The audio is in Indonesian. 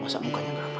masa mukanya gak apa apa